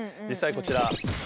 実際こちら。